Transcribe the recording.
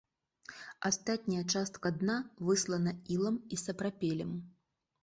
Астатняя частка дна выслана ілам і сапрапелем.